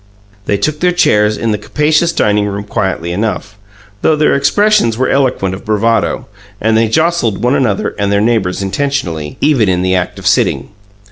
They took their chairs in the capacious dining room quietly enough, though their expressions were eloquent of bravado, and they jostled one another and their neighbours intentionally, even in the act of sitting.